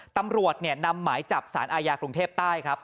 ตำรวจนำหมายจับสารอาญากรุงเทพใต้ครับ